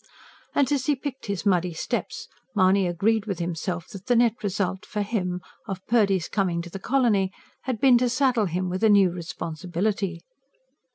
And, as he picked his muddy steps, Mahony agreed with himself that the net result, for him, of Purdy's coming to the colony, had been to saddle him with a new responsibility.